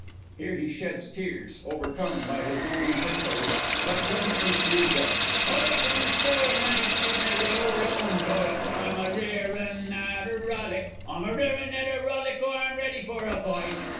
(Here he sheds tears, overcome by his own pathos, but presently cheers up.) "I dornce all noight! An' I rowl 'ome toight! I'm a rare un at a rollick, or I'm ready fur a foight."